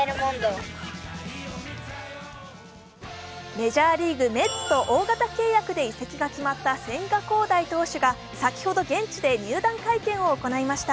メジャーリーグ・メッツと大型契約で移籍が決まった千賀滉大投手が先ほど現地で入団会見を行いました。